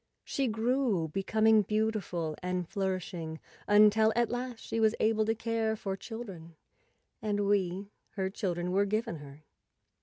She grew, becoming beautiful and flourishing, until at last she was able to care for children, and we, her children, were given her.